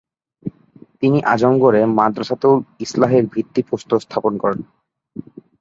তিনি আজমগড়ে মাদ্রাসাতুল ইসলাহের ভিত্তি প্রস্তর স্থাপন করেন।